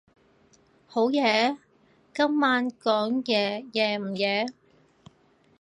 好夜？今晚講嘢夜唔夜？